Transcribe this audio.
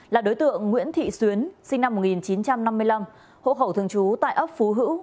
là đối tượng nguyễn thị xuyến sinh năm một nghìn chín trăm năm mươi năm hộ khẩu thường trú tại ấp phú hữu